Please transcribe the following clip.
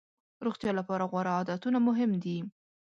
روغتیا لپاره غوره عادتونه مهم دي.